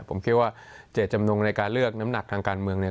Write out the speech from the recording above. ผมคิดว่าเจตจำนงในการเลือกน้ำหนักทางการเมืองเนี่ย